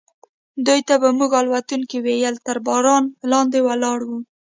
دوی ته به موږ الوتکې ویلې، تر باران لاندې ولاړ و.